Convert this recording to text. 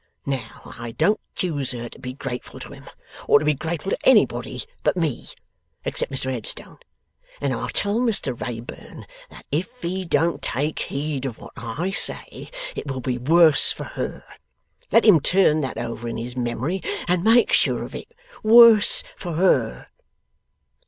Now I don't choose her to be grateful to him, or to be grateful to anybody but me, except Mr Headstone. And I tell Mr Wrayburn that if he don't take heed of what I say, it will be worse for her. Let him turn that over in his memory, and make sure of it. Worse for her!